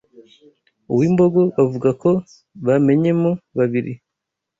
Uwimbogo bavuga ko bamenyemo babiri